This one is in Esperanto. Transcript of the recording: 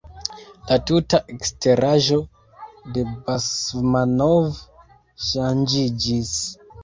La tuta eksteraĵo de Basmanov ŝanĝiĝis.